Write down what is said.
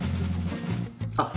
あっ！